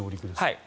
はい。